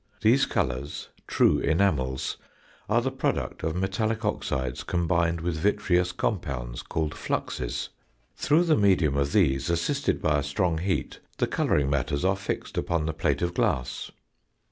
These colours, true enamels, are the product of metallic oxides combined with vitreous compounds called fluxes. Through the medium of these, assisted by a strong heat, the colouring matters are fixed upon the plate of glass."